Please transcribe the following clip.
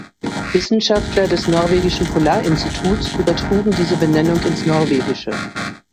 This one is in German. Wissenschaftler des Norwegischen Polarinstituts übertrugen diese Benennung ins Norwegische.